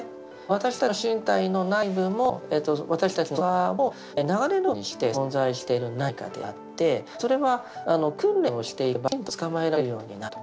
私たちの身体の内部も私たちの外側も流れのようにして存在している何かであってそれは訓練をしていけばきちんとつかまえられるようになると。